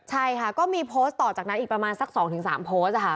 ใช่ค่ะก็มีโพสต์ต่อจากนั้นอีกประมาณสัก๒๓โพสต์ค่ะ